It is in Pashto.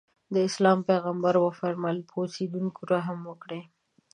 د اسلام پیغمبر وفرمایل په اوسېدونکو رحم وکړئ.